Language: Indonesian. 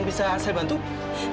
ya saya sedang menunggu